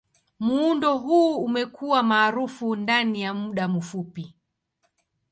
Muundo huu umekuwa maarufu ndani ya muda mfupi.